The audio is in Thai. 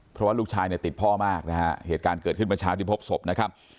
เพราะว่าลูกชายเนี่ยติดพ่อมากนะฮะเหตุการณ์เกิดขึ้นเมื่อเช้าที่พบศพนะครับ